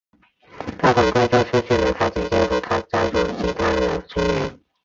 他很快就失去了他姐姐和他家族的其他成员。